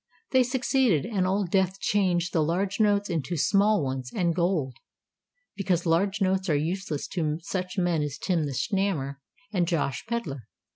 They succeeded, and Old Death changed the large notes into small ones and gold; because large notes are useless to such men as Tim the Snammer and Josh Pedler.